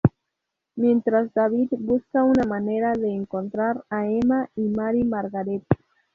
Mientras David busca una manera de encontrar a Emma y Mary Margaret.